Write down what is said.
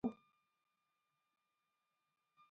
هغه له یخنۍ مړ شو.